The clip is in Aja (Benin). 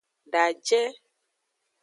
Daje.